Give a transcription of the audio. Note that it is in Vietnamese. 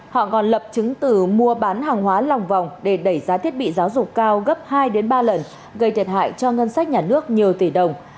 họ còn lập chứng từ mua bán hàng hóa lòng vòng để đẩy giá thiết bị giáo dục cao gấp hai ba lần gây thiệt hại cho ngân sách nhà nước nhiều tỷ đồng